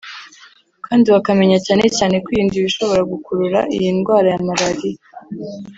kandi bakamenya cyane cyane kwirinda ibishobora gukurura iyi ndwara ya malaria